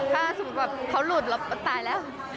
ถ้าสมมุติแบบเขาหลุดเราก็ตายแล้ว